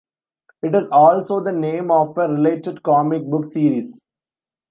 It is also the name of a related comic book series.